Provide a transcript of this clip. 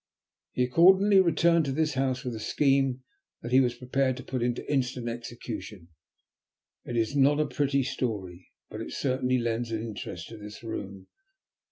He accordingly returned to this house with a scheme he was prepared to put into instant execution. It is not a pretty story, but it certainly lends an interest to this room.